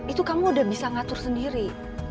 itu kamu udah bisa ngatur sendiri